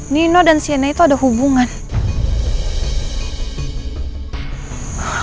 nino dan sienna itu ada hubungan dengan aku ya